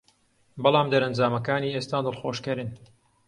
بەڵام دەرەنجامەکانی ئێستا دڵخۆشکەرن